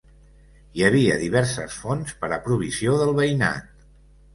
Hi havia diverses fonts per a provisió del veïnat.